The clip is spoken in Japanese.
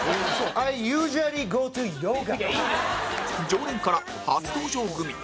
常連から初登場組